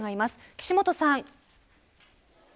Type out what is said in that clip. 岸本さん。